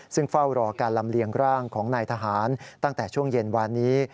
ซึ่งเฝ้ารอการลำเลียงร่างของนายทหารตั้งแต่ช่วงเย็นวานนี้